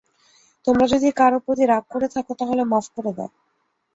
তোমরা যদি কারও প্রতি রাগ করে থাকো, তাহলে মাফ করে দাও।